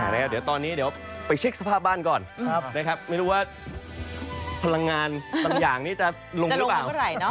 เดี๋ยวตอนนี้เดี๋ยวไปเช็คสภาพบ้านก่อนนะครับไม่รู้ว่าพลังงานบางอย่างนี้จะลงหรือเปล่า